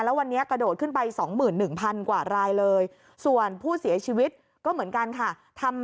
แล้ววันนี้กระโดดขึ้นไป๒๑๐๐๐กว่ารายเลยส่วนผู้เสียชีวิตก็เหมือนกันค่ะ